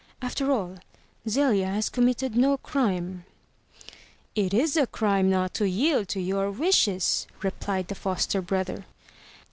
After all, Zelia has committed no crime." "It is a crime not to yield to your wishes," replied the foster brother.